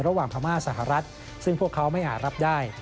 พม่าสหรัฐซึ่งพวกเขาไม่อาจรับได้